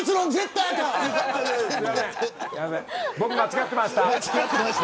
僕間違ってました。